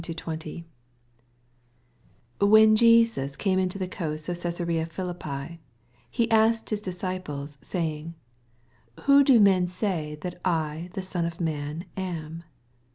18 When Jesns came into the coasts of CsBsarea PhiUppi, he asked his dis ciples, saying, whom.do men say that I the Son of man am